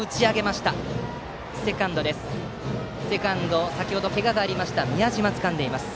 セカンド、先程けががあった宮嶋がつかんでいます。